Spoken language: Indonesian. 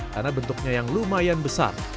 karena bentuknya yang lumayan besar